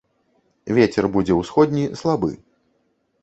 Вецер будзе ўсходні слабы.